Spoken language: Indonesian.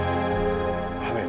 saya bukan pencuri